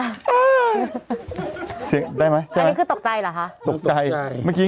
อันนี้คือตกใจเหรอคะ